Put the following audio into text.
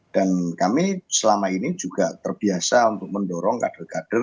dan kami selama ini juga terbiasa untuk mendorong kader kader